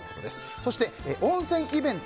そして温泉イベント